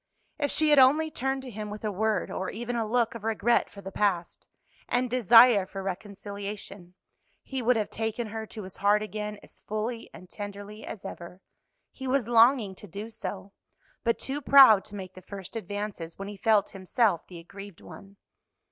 If she had only turned to him with a word, or even a look of regret for the past, and desire for reconciliation, he would have taken her to his heart again as fully and tenderly as ever. He was longing to do so, but too proud to make the first advances when he felt himself the aggrieved one.